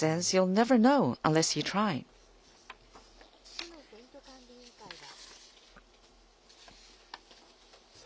市の選挙管理委員会は。